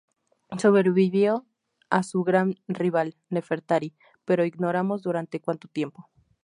Sobrevivió a su gran rival, Nefertari, pero ignoramos durante cuánto tiempo.